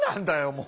もう。